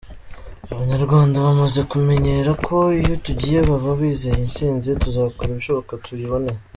Abanyarwanda bamaze kumenyera ko iyo tugiye baba bizeye intsinzi tuzakora ibishoboka tuyibone.